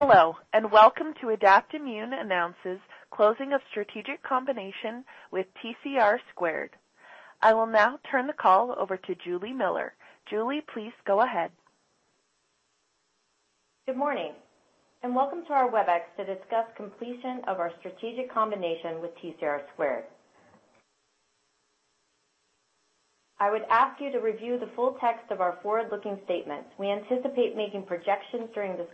Hello, and welcome to Adaptimmune announces closing of strategic combination with TCR². I will now turn the call over to Juli Miller. Juli, please go ahead. Good morning, and welcome to our Webex to discuss completion of our strategic combination with TCR². I would ask you to review the full text of our forward-looking statements. We anticipate making projections during this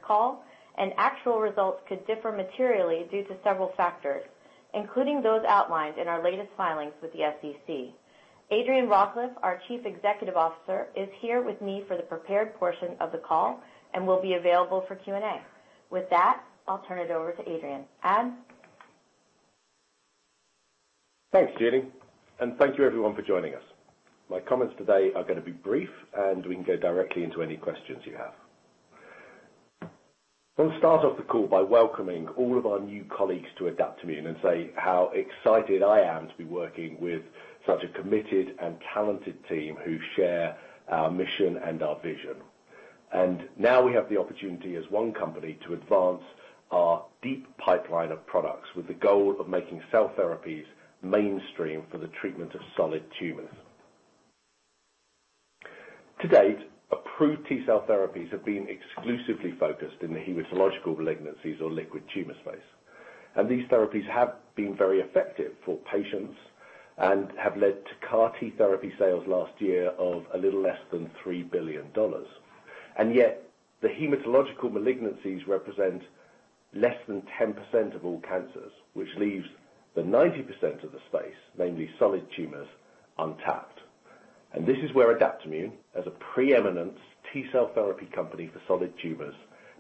call. Actual results could differ materially due to several factors, including those outlined in our latest filings with the SEC. Adrian Rawcliffe, our Chief Executive Officer, is here with me for the prepared portion of the call and will be available for Q&A. With that, I'll turn it over to Adrian. Ad? Thanks, Juli, and thank you everyone for joining us. My comments today are gonna be brief, and we can go directly into any questions you have. I'll start off the call by welcoming all of our new colleagues to Adaptimmune and say how excited I am to be working with such a committed and talented team who share our mission and our vision. Now we have the opportunity as one company to advance our deep pipeline of products, with the goal of making cell therapies mainstream for the treatment of solid tumors. To date, approved T-cell therapies have been exclusively focused in the hematological malignancies or liquid tumor space. These therapies have been very effective for patients and have led to CAR-T therapy sales last year of a little less than $3 billion. Yet, the hematological malignancies represent less than 10% of all cancers, which leaves the 90% of the space, namely solid tumors, untapped. This is where Adaptimmune, as a preeminent T-cell therapy company for solid tumors,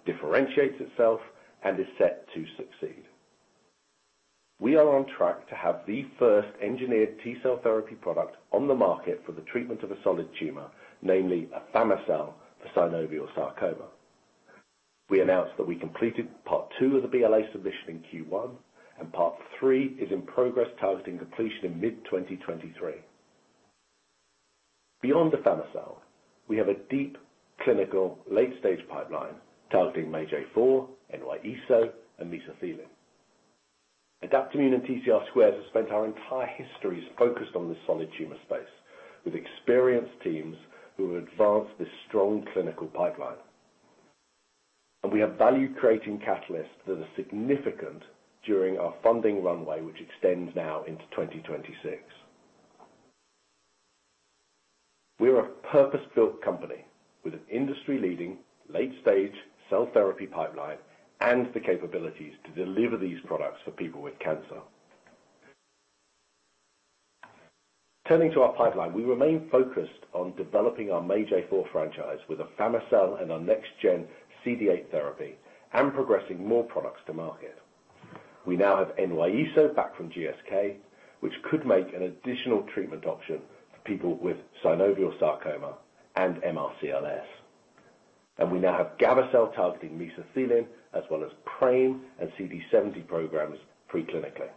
differentiates itself and is set to succeed. We are on track to have the first engineered T-cell therapy product on the market for the treatment of a solid tumor, namely afami-cel for synovial sarcoma. We announced that we completed part two of the BLA submission in Q1, and part three is in progress, targeting completion in mid-2023. Beyond afami-cel, we have a deep clinical late-stage pipeline targeting MAGE-A4, NY-ESO, and mesothelin. Adaptimmune and TCR² have spent our entire histories focused on the solid tumor space, with experienced teams who have advanced this strong clinical pipeline. We have value-creating catalysts that are significant during our funding runway, which extends now into 2026. We are a purpose-built company with an industry-leading, late-stage cell therapy pipeline and the capabilities to deliver these products for people with cancer. Turning to our pipeline, we remain focused on developing our MAGE-A4 franchise with afami-cel and our next-gen CD8 therapy and progressing more products to market. We now have NY-ESO back from GSK, which could make an additional treatment option for people with synovial sarcoma and MRCLS. We now have gavo-cel targeting mesothelin, as well as PRAME and CD70 programs preclinically.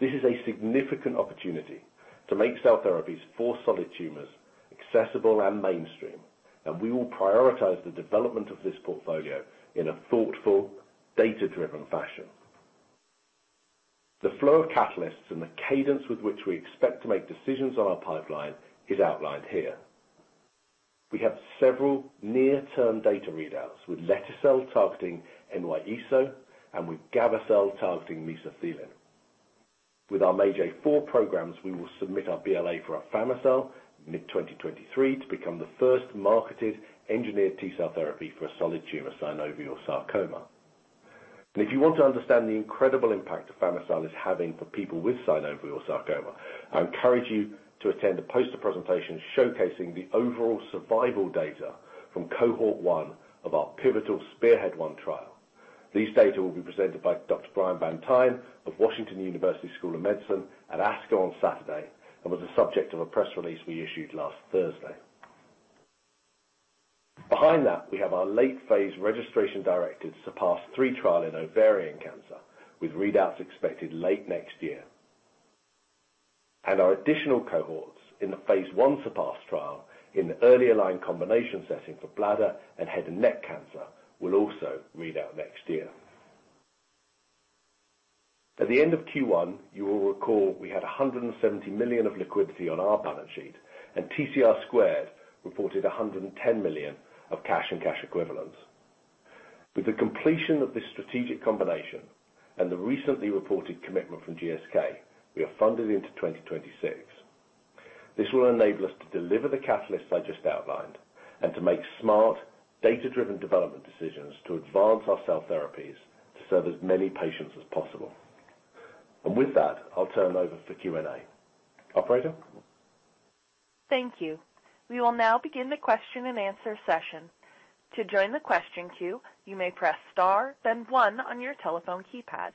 This is a significant opportunity to make cell therapies for solid tumors accessible and mainstream, and we will prioritize the development of this portfolio in a thoughtful, data-driven fashion. The flow of catalysts and the cadence with which we expect to make decisions on our pipeline is outlined here. We have several near-term data readouts, with lete-cel targeting NY-ESO and with gavo-cel targeting mesothelin. With our MAGE-A4 programs, we will submit our BLA for afami-cel in mid-2023 to become the first marketed engineered T-cell therapy for a solid tumor synovial sarcoma. If you want to understand the incredible impact afami-cel is having for people with synovial sarcoma, I encourage you to attend a poster presentation showcasing the overall survival data from cohort 1 of our pivotal SPEARHEAD-1 trial. These data will be presented by Dr. Brian Van Tine of Washington University School of Medicine at ASCO on Saturday and was the subject of a press release we issued last Thursday. Behind that, we have our late-Phase registration-directed SURPASS-3 trial in ovarian cancer, with readouts expected late next year. Our additional cohorts in the Phase 1 SURPASS trial in the earlier line combination setting for bladder and head and neck cancer will also read out next year. At the end of Q1, you will recall we had $170 million of liquidity on our balance sheet, and TCR² reported $110 million of cash and cash equivalents. With the completion of this strategic combination and the recently reported commitment from GSK, we are funded into 2026. This will enable us to deliver the catalysts I just outlined and to make smart, data-driven development decisions to advance our cell therapies to serve as many patients as possible. With that, I'll turn it over for Q&A. Operator? Thank you. We will now begin the question-and-answer session. To join the question queue, you may press star, then one on your telephone keypad.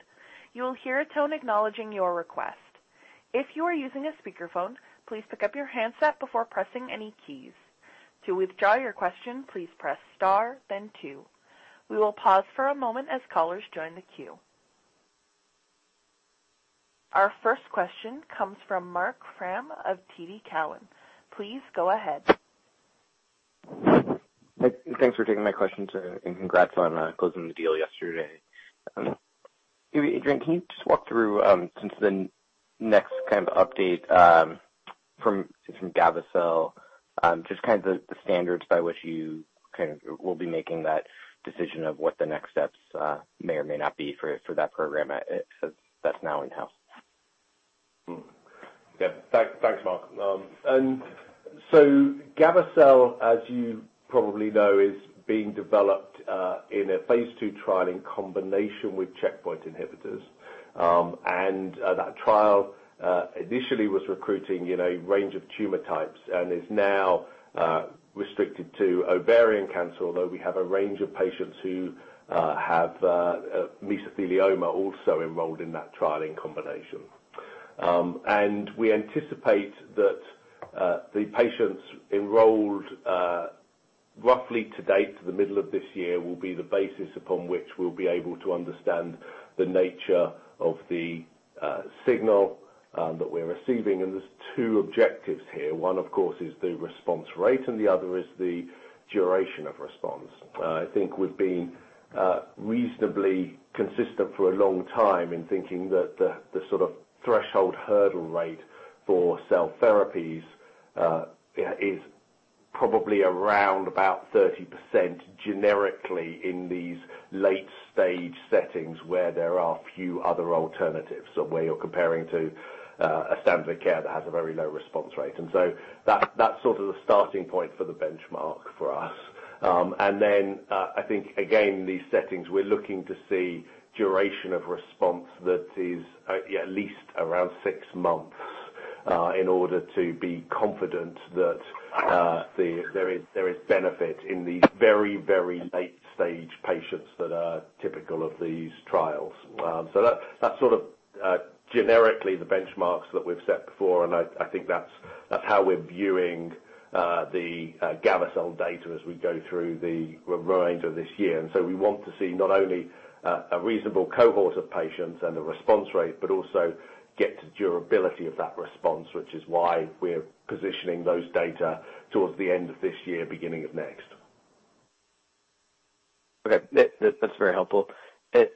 You will hear a tone acknowledging your request. If you are using a speakerphone, please pick up your handset before pressing any keys. To withdraw your question, please press star then two. We will pause for a moment as callers join the queue. Our first question comes from Marc Frahm of TD Cowen. Please go ahead. Thanks for taking my question. Congrats on closing the deal yesterday. Adrian, can you just walk through since the next kind of update from gavo-cel, just kind of the standards by which you kind of will be making that decision of what the next steps may or may not be for that program, that's now in-house? Yeah. Thanks, Marc. gavo-cel, as you probably know, is being developed in a Phase II trial in combination with checkpoint inhibitors. That trial initially was recruiting in a range of tumor types and is now restricted to ovarian cancer. Although we have a range of patients who have mesothelioma also enrolled in that trial in combination. We anticipate that the patients enrolled roughly to date, to the middle of this year, will be the basis upon which we'll be able to understand the nature of the signal that we're receiving. There's two objectives here. One, of course, is the response rate, and the other is the duration of response. I think we've been reasonably consistent for a long time in thinking that the sort of threshold hurdle rate for cell therapies is probably around about 30% generically in these late stage settings, where there are few other alternatives, so where you're comparing to a standard care that has a very low response rate. That's sort of the starting point for the benchmark for us. Then, I think, again, these settings, we're looking to see duration of response that is at least around six months in order to be confident that there is benefit in the very, very late stage patients that are typical of these trials. That, that's sort of, generically the benchmarks that we've set before, and I think that's how we're viewing, the, gavo-cel data as we go through the range of this year. We want to see not only, a reasonable cohort of patients and the response rate, but also get to durability of that response, which is why we're positioning those data towards the end of this year, beginning of next. Okay. That's very helpful. I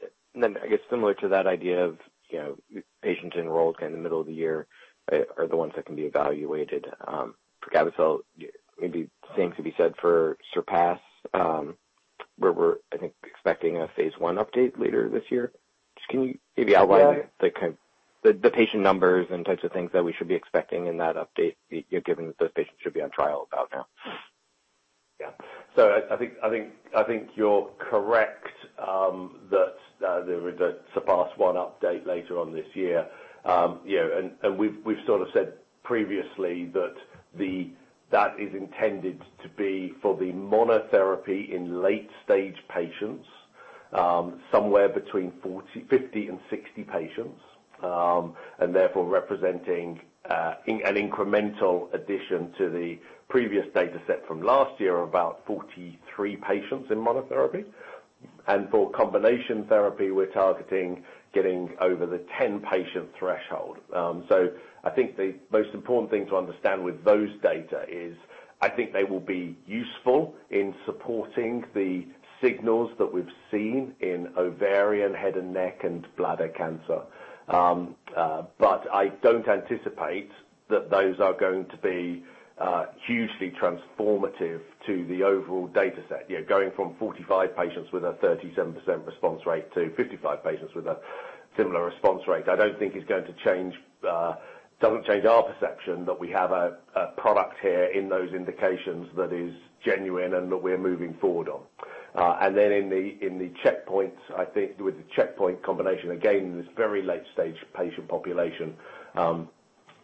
guess, similar to that idea of, you know, patients enrolled in the middle of the year, are the ones that can be evaluated, for gavo-cel, maybe things to be said for Surpass, where we're, I think, expecting a Phase I update later this year. Can you maybe outline the kind, the patient numbers and types of things that we should be expecting in that update, given that those patients should be on trial about now? I think you're correct, that there is a SURPASS-1 update later on this year. We've sort of said previously that that is intended to be for the monotherapy in late stage patients, somewhere between 40, 50 and 60 patients, and therefore representing an incremental addition to the previous data set from last year, about 43 patients in monotherapy. For combination therapy, we're targeting getting over the 10-patient threshold. I think the most important thing to understand with those data is I think they will be useful in supporting the signals that we've seen in ovarian, head and neck, and bladder cancer. I don't anticipate that those are going to be hugely transformative to the overall data set. Going from 45 patients with a 37% response rate to 55 patients with a similar response rate, I don't think is going to change, doesn't change our perception that we have a product here in those indications that is genuine and that we're moving forward on. In the, in the checkpoints, I think with the checkpoint combination, again, in this very late stage patient population,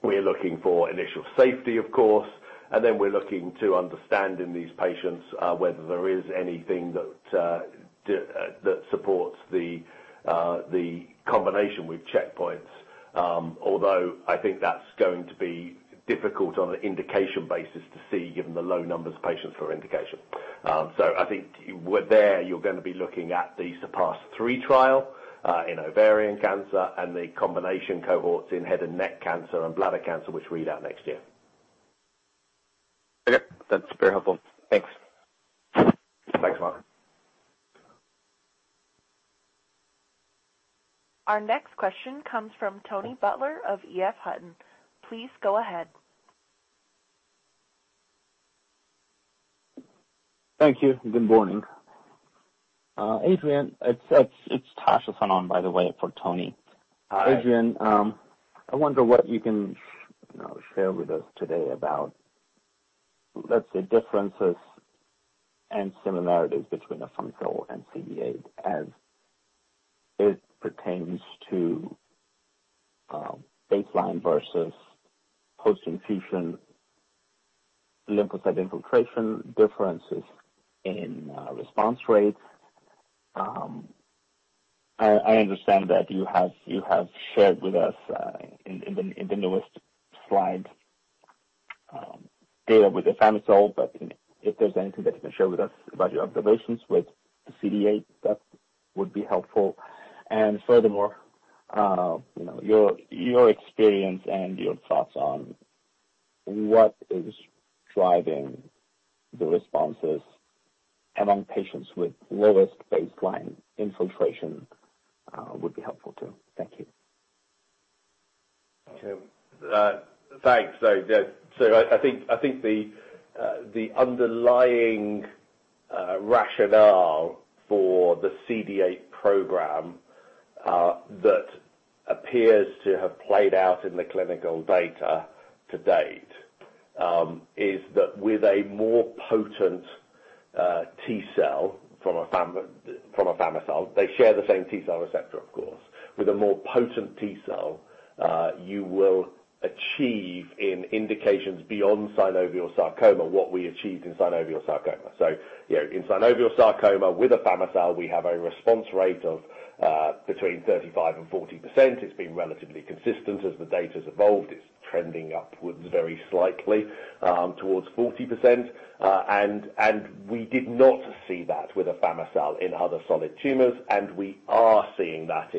we're looking for initial safety, of course, and then we're looking to understand in these patients, whether there is anything that supports the combination with checkpoints. Although I think that's going to be difficult on an indication basis to see, given the low numbers of patients for indication. I think with there, you're going to be looking at the SURPASS-3 trial in ovarian cancer and the combination cohorts in head and neck cancer and bladder cancer, which read out next year. Okay. That's very helpful. Thanks. Thanks, Mark. Our next question comes from Tony Butler of EF Hutton. Please go ahead. Thank you. Good morning. Adrian, it's Tashia Fanon, by the way, for Tony. Hi. Adrian, I wonder what you can, you know, share with us today about, let's say, differences and similarities between afami-cel and uza-cel, as it pertains to, baseline versus post-infusion, lymphocyte infiltration, differences in response rates. I understand that you have shared with us in the, in the newest data with afami-cel, but if there's anything that you can share with us about your observations with the uza-cel, that would be helpful. Furthermore, you know, your experience and your thoughts on what is driving the responses among patients with lowest baseline infiltration, would be helpful, too. Thank you. Okay. Thanks. Yes. I think, I think the underlying rationale for the uza-cel program that appears to have played out in the clinical data to date is that with a more potent T-cell from afami-cel, they share the same T-cell receptor, of course. With a more potent T-cell, you will achieve in indications beyond synovial sarcoma, what we achieved in synovial sarcoma. You know, in synovial sarcoma with afami-cel, we have a response rate of between 35% and 40%. It's been relatively consistent. As the data's evolved, it's trending upwards very slightly towards 40%. We did not see that with afami-cel in other solid tumors, and we are seeing that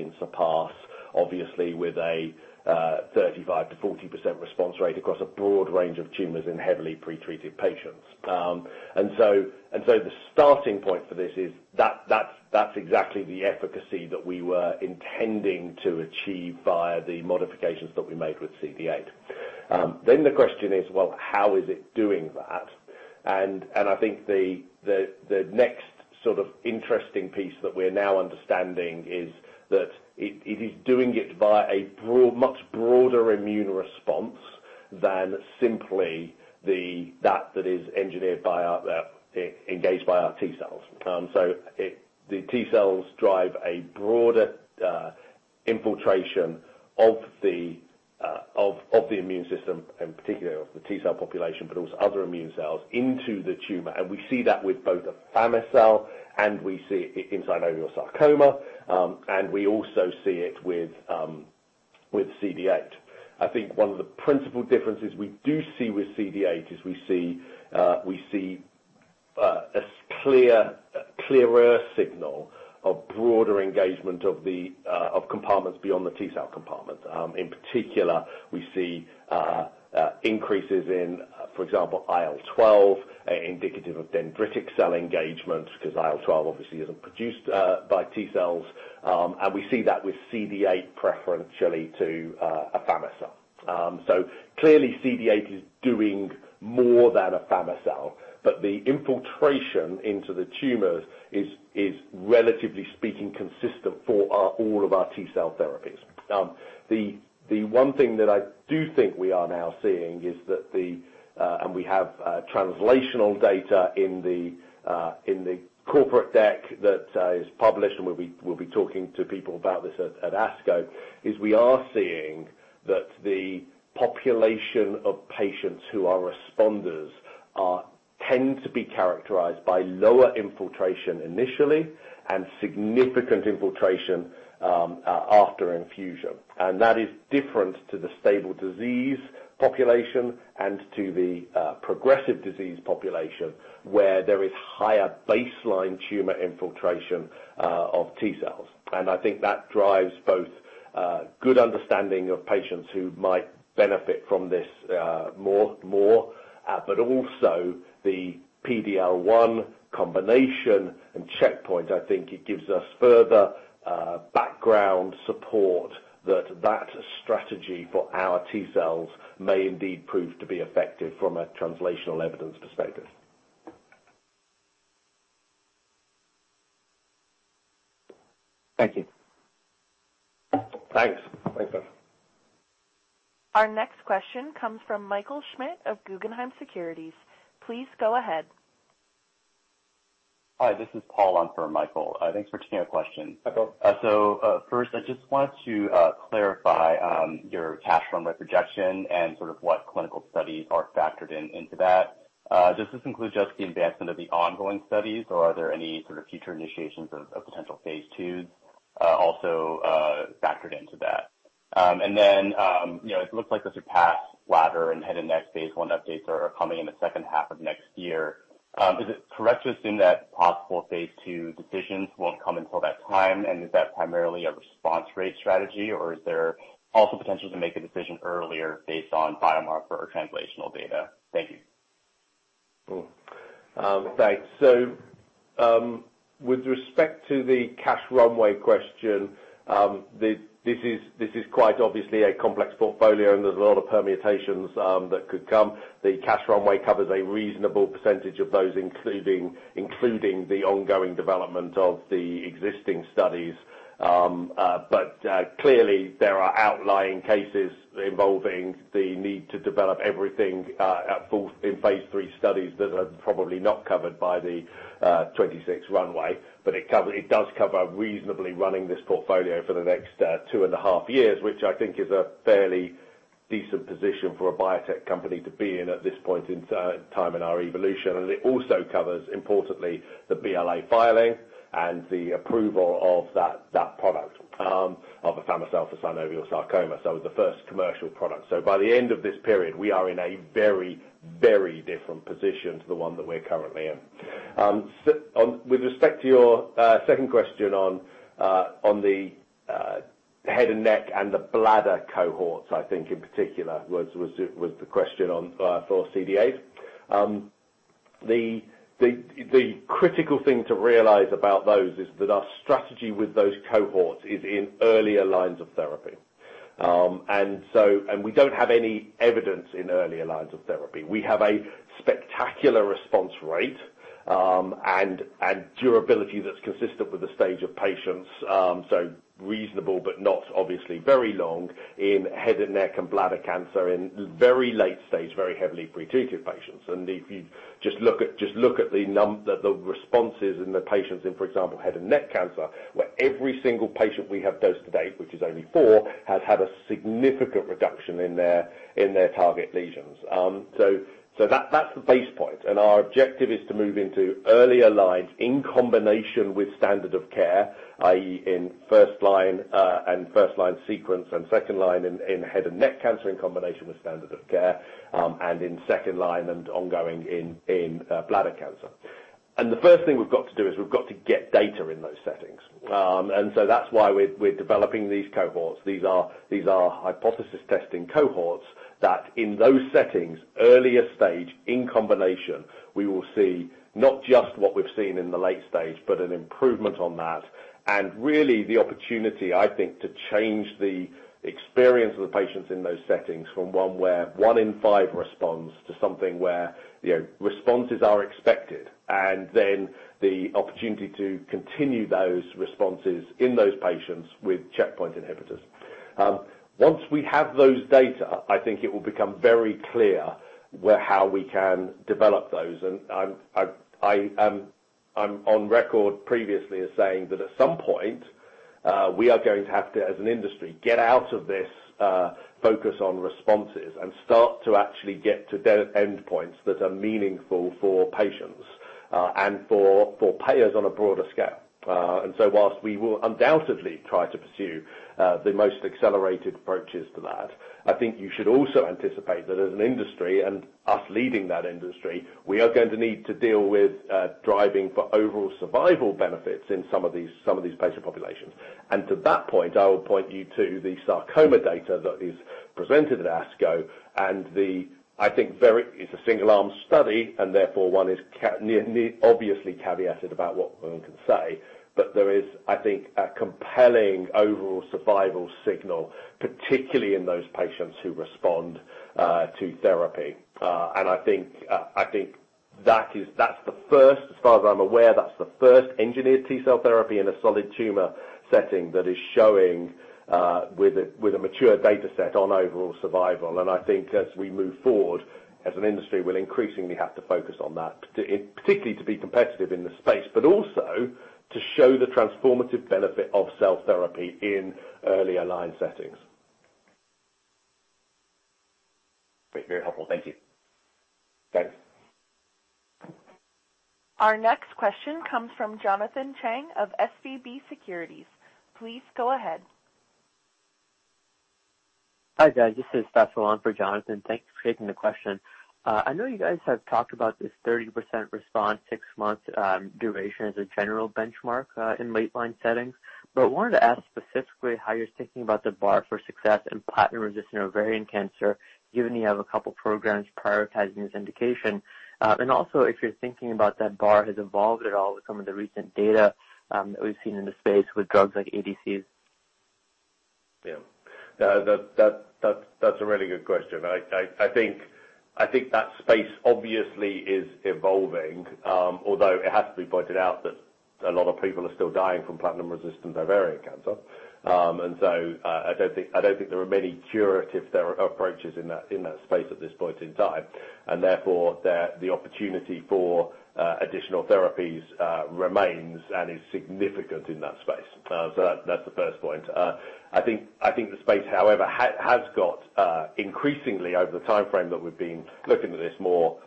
in SURPASS, obviously, with a 35%-40% response rate across a broad range of tumors in heavily pre-treated patients. The starting point for this is that's exactly the efficacy that we were intending to achieve via the modifications that we made with uza-cel. The question is, well, how is it doing that? I think the next sort of interesting piece that we're now understanding is that it is doing it via a much broader immune response than simply that is engineered by our engaged by our T-cells. The T-cells drive a broader infiltration of the immune system, in particular of the T-cell population, but also other immune cells into the tumor. We see that with both afami-cel, and we see it in synovial sarcoma, and we also see it with uza-cel. I think one of the principal differences we do see with uza-cel, is we see a clear, clearer signal of broader engagement of compartments beyond the T-cell compartment. In particular, we see increases in, for example, IL-12, indicative of dendritic cell engagement, because IL-12 obviously isn't produced by T-cells. We see that with uza-cel preferentially to afami-cel. Clearly, uza-cel is doing more than afami-cel, but the infiltration into the tumors is relatively speaking consistent for all of our T-cell therapies. The one thing that I do think we are now seeing is that and we have translational data in the corporate deck that is published, and we'll be talking to people about this at ASCO, is we are seeing that the population of patients who are responders tend to be characterized by lower infiltration initially, and significant infiltration after infusion. That is different to the stable disease population and to the progressive disease population, where there is higher baseline tumor infiltration of T-cells. I think that drives both good understanding of patients who might benefit from this more, but also the PD-L1 combination and checkpoint. I think it gives us further background support that that strategy for our T-cells may indeed prove to be effective from a translational evidence perspective. Thank you. Thanks. Thanks, sir. Our next question comes from Michael Schmidt of Guggenheim Securities. Please go ahead. Hi, this is Paul. I'm for Michael. Thanks for taking our question. Hi, Paul. First, I just want to clarify, your cash runway projection and sort of what clinical studies are factored in, into that. Does this include just the advancement of the ongoing studies, or are there any sort of future initiations of potential Phase IIs, also, factored into that? You know, it looks like the SURPASS ladder and head and neck Phase I updates are coming in the second half of next year. Is it correct to assume that possible Phase II decisions won't come until that time, and is that primarily a response rate strategy, or is there also potential to make a decision earlier based on biomarker or translational data? Thank you. Thanks. With respect to the cash runway question, this is quite obviously a complex portfolio, and there's a lot of permutations that could come. The cash runway covers a reasonable percentage of those, including the ongoing development of the existing studies. Clearly there are outlying cases involving the need to develop everything at full in Phase III studies, that are probably not covered by the 26 runway. It does cover reasonably running this portfolio for the next 2 and a half years, which I think is a fairly decent position for a biotech company to be in at this point in time in our evolution. It also covers, importantly, the BLA filing and the approval of that product of afami-cel for synovial sarcoma, so the first commercial product. By the end of this period, we are in a very different position to the one that we're currently in. With respect to your second question on the head and neck and the bladder cohorts, I think, in particular, was the question on for uza-cel. The critical thing to realize about those is that our strategy with those cohorts is in earlier lines of therapy. We don't have any evidence in earlier lines of therapy. We have a spectacular response rate, and durability that's consistent with the stage of patients, so reasonable, but not obviously very long in head and neck and bladder cancer, in very late stage, very heavily pretreated patients. If you just look at the responses in the patients in, for example, head and neck cancer, where every single patient we have dosed to date, which is only four, has had a significant reduction in their target lesions. That's the base point, and our objective is to move into earlier lines in combination with standard of care, i.e., in first line, and first line sequence, and second line in head and neck cancer, in combination with standard of care, and in second line and ongoing in bladder cancer. The first thing we've got to do is we've got to get data in those settings. That's why we're developing these cohorts. These are hypothesis testing cohorts that in those settings, earlier stage, in combination, we will see not just what we've seen in the late stage, but an improvement on that. Really the opportunity, I think, to change the experience of the patients in those settings from one where one in five responds to something where, you know, responses are expected, and then the opportunity to continue those responses in those patients with checkpoint inhibitors. Once we have those data, I think it will become very clear where... how we can develop those. I'm on record previously as saying that at some point, we are going to have to, as an industry, get out of this focus on responses and start to actually get to the endpoints that are meaningful for patients and for payers on a broader scale. Whilst we will undoubtedly try to pursue the most accelerated approaches to that, I think you should also anticipate that as an industry and us leading that industry, we are going to need to deal with driving for overall survival benefits in some of these patient populations. To that point, I would point you to the sarcoma data that is presented at ASCO and the, I think, it's a single-arm study, and therefore one is obviously caveated about what one can say, but there is, I think, a compelling overall survival signal, particularly in those patients who respond to therapy. I think that's the first, as far as I'm aware, that's the first engineered T-cell therapy in a solid tumor setting that is showing with a, with a mature data set on overall survival. I think as we move forward as an industry, we'll increasingly have to focus on that, to particularly to be competitive in the space, but also to show the transformative benefit of cell therapy in earlier line settings. Great, very helpful. Thank you. Thanks. Our next question comes from Jonathan Chang of SVB Securities. Please go ahead. Hi, guys. This is Jonathan. Thanks for taking the question. I know you guys have talked about this 30% response, six months, duration as a general benchmark, in late line settings, but wanted to ask specifically how you're thinking about the bar for success in platinum-resistant ovarian cancer, given you have a couple programs prioritizing this indication. Also, if you're thinking about that bar has evolved at all with some of the recent data, that we've seen in the space with drugs like ADCs. Yeah. That's a really good question. I think that space obviously is evolving, although it has to be pointed out that a lot of people are still dying from platinum-resistant ovarian cancer. I don't think there are many curative approaches in that space at this point in time, and therefore, the opportunity for additional therapies remains and is significant in that space. That's the first point. I think the space, however, has got increasingly over the timeframe that we've been looking at this more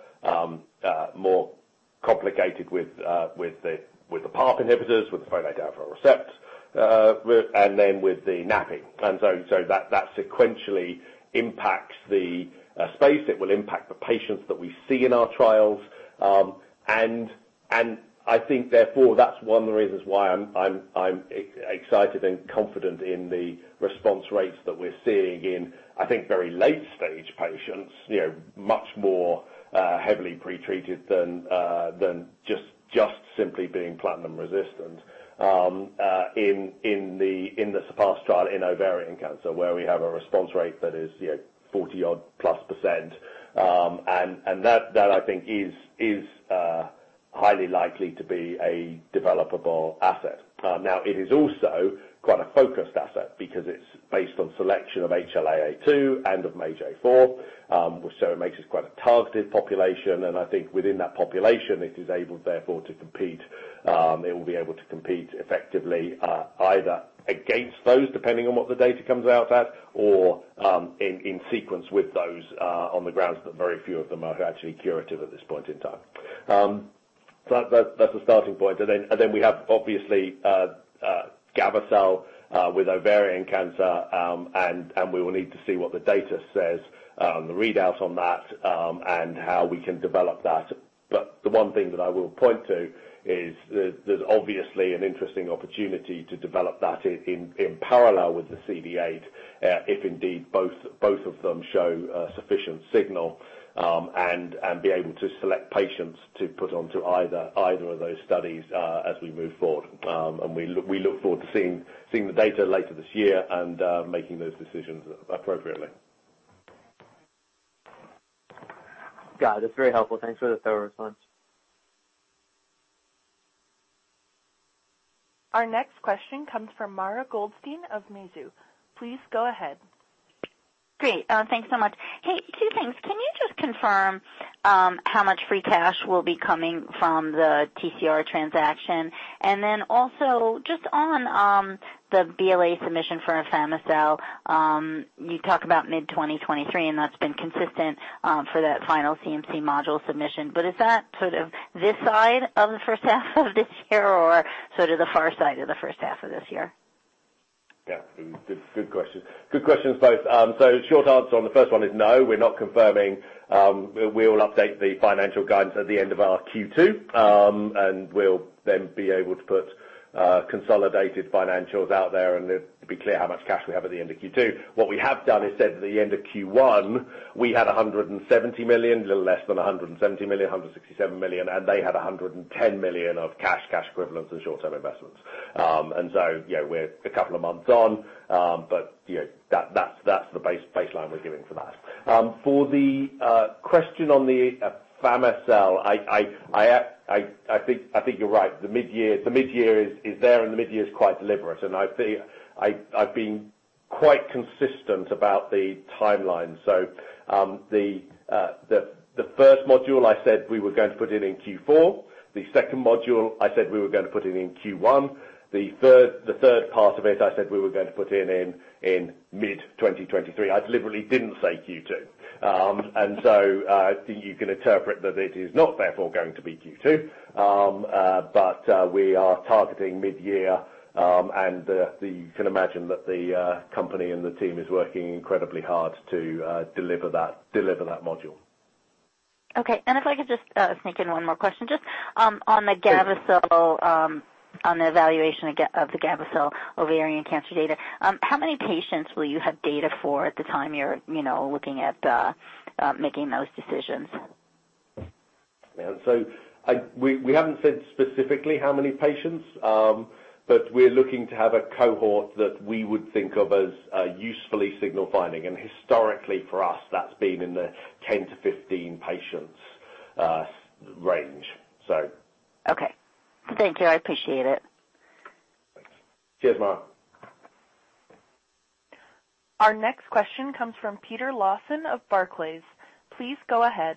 complicated with the PARP inhibitors, with the folate receptor, with... And then with the NAPI. That sequentially impacts the space. It will impact the patients that we see in our trials. I think therefore, that's one of the reasons why I'm excited and confident in the response rates that we're seeing in, I think, very late-stage patients, you know, much more heavily pretreated than just simply being platinum resistant. In the SURPASS trial in ovarian cancer, where we have a response rate that is, you know, 40 odd plus %. That I think is highly likely to be a developable asset. Now, it is also quite a focused asset because it's based on selection of HLA-A2 and of MAGE-A4, so it makes it quite a targeted population, and I think within that population, it is able, therefore, to compete, it will be able to compete effectively, either against those, depending on what the data comes out at, or in sequence with those, on the grounds that very few of them are actually curative at this point in time. That's a starting point. Then we have obviously gavo-cel with ovarian cancer. We will need to see what the data says, the readouts on that, and how we can develop that. The one thing that I will point to is there's obviously an interesting opportunity to develop that in parallel with the uza-cel, if indeed, both of them show sufficient signal, and be able to select patients to put onto either of those studies as we move forward. We look forward to seeing the data later this year and making those decisions appropriately. Got it. That's very helpful. Thanks for the thorough response. Our next question comes from Mara Goldstein of Mizuho. Please go ahead. Great, thanks so much. Hey, two things. Can you just confirm how much free cash will be coming from the TCR transaction? Also just on the BLA submission for afami-cel, you talk about mid-2023, and that's been consistent for that final CMC module submission. Is that sort of this side of the first half of this year or sort of the far side of the first half of this year? Yeah, good question. Good questions both. Short answer on the first one is no, we're not confirming. We will update the financial guidance at the end of our Q2. We'll then be able to put consolidated financials out there, and it'll be clear how much cash we have at the end of Q2. What we have done is said at the end of Q1, we had $170 million, a little less than $170 million, $167 million, and they had $110 million of cash equivalents, and short-term investments. You know, we're a couple of months on, but, you know, that's the baseline we're giving for that. For the question on the afami-cel, I think you're right. The midyear is there, and the midyear is quite deliberate, and I've been quite consistent about the timeline. The first module, I said we were going to put it in Q4. The second module, I said we were gonna put it in Q1. The third part of it, I said we were going to put in mid-2023. I deliberately didn't say Q2. You can interpret that it is not therefore going to be Q2. We are targeting midyear, and you can imagine that the company and the team is working incredibly hard to deliver that module. Okay. If I could just sneak in one more question. Just on the gavo-cel, on the evaluation of the gavo-cel ovarian cancer data, how many patients will you have data for at the time you're, you know, looking at making those decisions? Yeah. We, we haven't said specifically how many patients, but we're looking to have a cohort that we would think of as usefully signal finding. Historically for us, that's been in the 10 to 15 patients range. Okay. Thank you. I appreciate it. Thanks. Cheers, Mara. Our next question comes from Peter Lawson of Barclays. Please go ahead.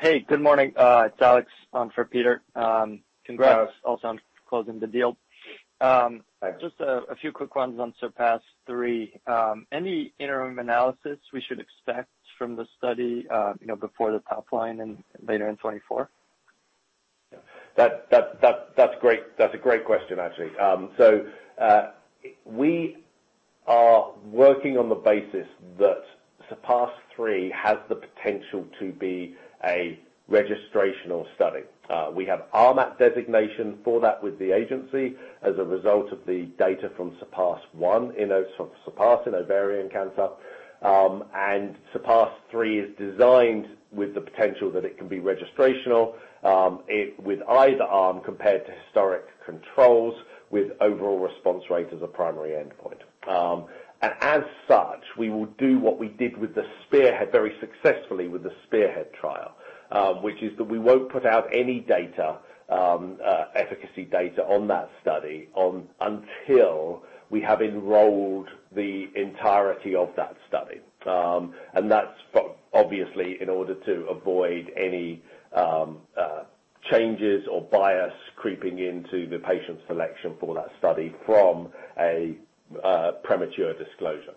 Hey, good morning. It's Alex, for Peter. Congrats also on closing the deal. Thanks. Just a few quick ones on SURPASS-3. Any interim analysis we should expect from the study, you know, before the top line and later in 2024? Yeah, that's great. That's a great question, actually. We are working on the basis that SURPASS-3 has the potential to be a registrational study. We have RMAT designation for that with the agency as a result of the data from SURPASS-1 in a sort of SURPASS in ovarian cancer. SURPASS-3 is designed with the potential that it can be registrational, it, with either arm, compared to historic controls, with overall response rate as a primary endpoint. As such, we will do what we did with the Spearhead, very successfully with the Spearhead trial, which is that we won't put out any data, efficacy data on that study until we have enrolled the entirety of that study. That's obviously in order to avoid any changes or bias creeping into the patient selection for that study from a premature disclosure.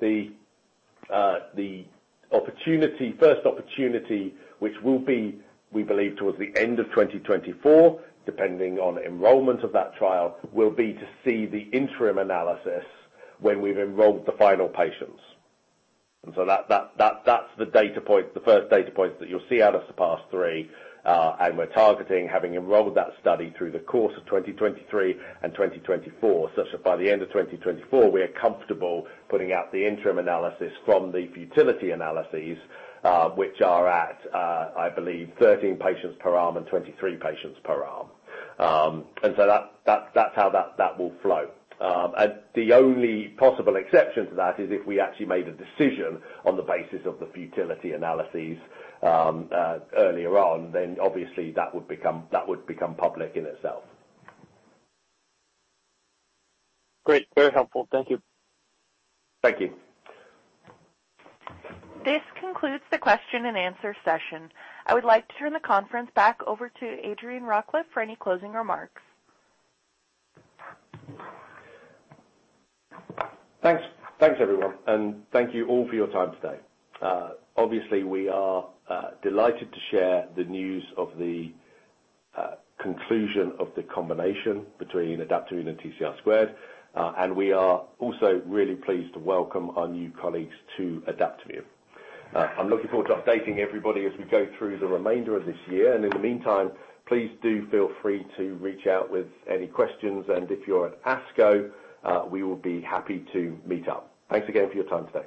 The opportunity, first opportunity, which will be, we believe, towards the end of 2024, depending on enrollment of that trial, will be to see the interim analysis when we've enrolled the final patients. That's the data point, the first data point that you'll see out of SURPASS-3. We're targeting having enrolled that study through the course of 2023 and 2024, such that by the end of 2024, we are comfortable putting out the interim analysis from the futility analyses, which are at, I believe, 13 patients per arm and 23 patients per arm. That's how that will flow. The only possible exception to that is if we actually made a decision on the basis of the futility analyses earlier on, obviously that would become public in itself. Great. Very helpful. Thank you. Thank you. This concludes the question and answer session. I would like to turn the conference back over to Adrian Rawcliffe for any closing remarks. Thanks, thanks, everyone, and thank you all for your time today. Obviously, we are delighted to share the news of the conclusion of the combination between Adaptimmune and TCR². We are also really pleased to welcome our new colleagues to Adaptimmune. I'm looking forward to updating everybody as we go through the remainder of this year. In the meantime, please do feel free to reach out with any questions, and if you're at ASCO, we will be happy to meet up. Thanks again for your time today.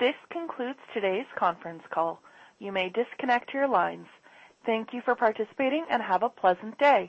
This concludes today's conference call. You may disconnect your lines. Thank you for participating and have a pleasant day.